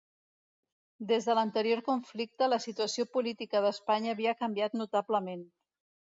Des de l'anterior conflicte la situació política d'Espanya havia canviat notablement.